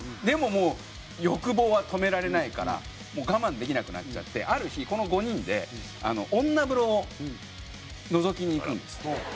でももう欲望は止められないからもう我慢できなくなっちゃってある日この５人で女風呂をのぞきに行くんです。